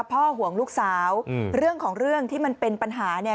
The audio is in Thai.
ห่วงลูกสาวเรื่องของเรื่องที่มันเป็นปัญหาเนี่ย